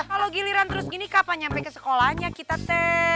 kalo giliran terus gini kapan nyampe ke sekolahnya kita te